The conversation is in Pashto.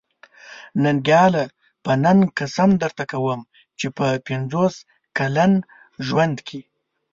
ننګياله! په ننګ قسم درته کوم چې په پنځوس کلن ژوند کې.